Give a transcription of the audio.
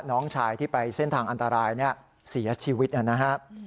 น้องชายที่ไปเส้นทางอันตรายเสียชีวิตนะครับ